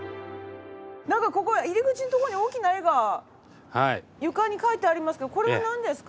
なんかここ入り口の所に大きな絵が床に描いてありますけどこれはなんですか？